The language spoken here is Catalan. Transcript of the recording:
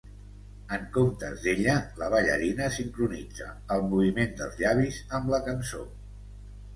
En comptes d'ella, la ballarina sincronitza el moviment dels llavis amb la cançó.